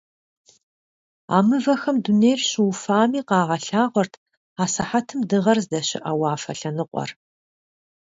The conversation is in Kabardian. А мывэхэм дунейр щыуфами къагъэлъагъуэрт асыхьэтым дыгъэр здэщыӀэ уафэ лъэныкъуэр.